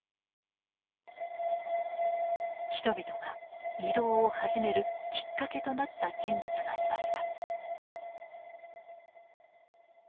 人々が移動を始めるきっかけとなった人物がいました。